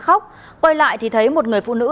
khóc quay lại thì thấy một người phụ nữ